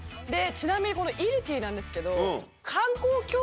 ちなみにこのいるティーなんですけど。